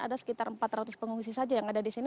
ada sekitar empat ratus pengungsi saja yang ada di sini